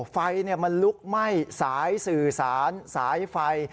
ไฟมันลุกไหม้สายสื่อสารสายไฟ